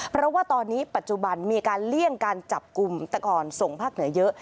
เพราะว่าตอนนี้ปัจจุบันมีการเลี่ยงการจับกลุ่มแต่ก่อนส่งภาคเหนือเยอะ